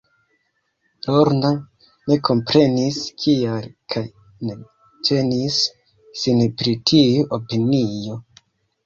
Lorna ne komprenis kial, kaj ne ĝenis sin pri tiu opinio.